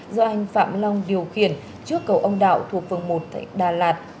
do anh phạm long điều khiển trước cầu ông đạo thuộc phường một tp đà đạt